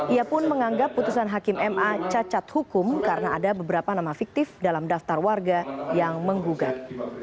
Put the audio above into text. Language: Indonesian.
ia pun menganggap putusan hakim ma cacat hukum karena ada beberapa nama fiktif dalam daftar warga yang menggugat